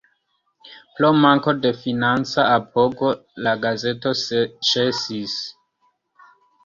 Pro manko de financa apogo la gazeto ĉesis.